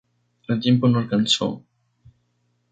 El tiempo no alcanzó.